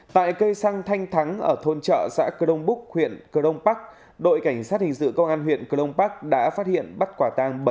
tại cây xăng thanh thắng ở thôn chợ xã cờ đông búc huyện cờ đông bắc đội cảnh sát hình sự công an huyện cờ đông bắc đã phát hiện bắt quả tang bảy đối tượng